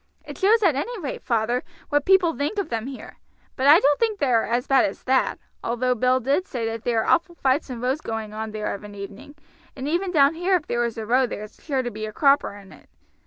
"It shows at any rate, father, what people think of them here; but I don't think they are as bad as that, though Bill did say that there are awful fights and rows going on there of an evening, and even down here if there is a row there is sure to be a cropper in it.